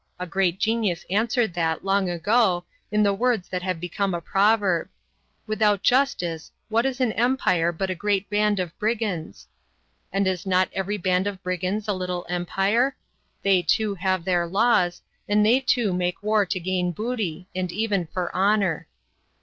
A great genius answered that long ago in the words that have become a proverb: 'Without justice, what is an empire but a great band of brigands?' And is not every band of brigands a little empire? They too have their laws; and they too make war to gain booty, and even for honor.